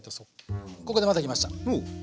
ここでまたきました